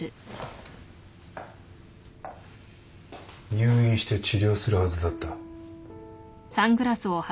入院して治療するはずだった。